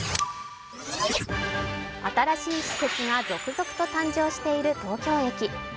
新しい施設が続々と誕生している東京駅。